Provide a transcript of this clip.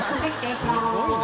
すごいな。